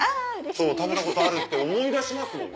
食べたことあるって思い出しますもんね。